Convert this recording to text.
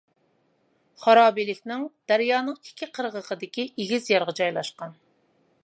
خارابىلىكنىڭ دەريانىڭ ئىككى قىرغىقىدىكى ئېگىز يارغا جايلاشقان.